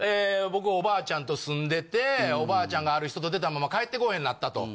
僕おばあちゃんと住んでておばあちゃんがある日外出たまま帰ってこへんなったと。